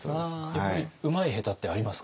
やっぱりうまい下手ってありますか？